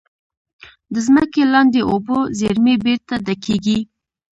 د ځمکې لاندې اوبو زیرمې بېرته ډکېږي.